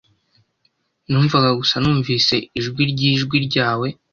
Numvaga gusa numvise ijwi ryijwi ryawe.